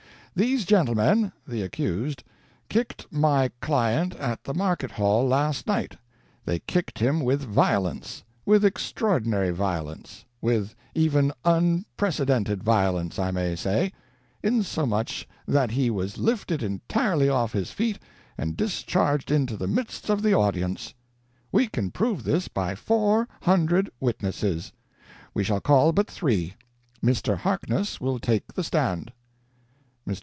These gentlemen the accused kicked my client at the Market Hall last night; they kicked him with violence; with extraordinary violence; with even unprecedented violence, I may say; insomuch that he was lifted entirely off his feet and discharged into the midst of the audience. We can prove this by four hundred witnesses we shall call but three. Mr. Harkness will take the stand." Mr.